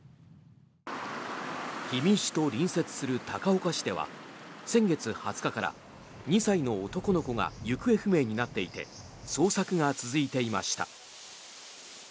氷見市と隣接する高岡市では先月２０日から２歳の男の子が行方不明になっていて捜索が続いていました。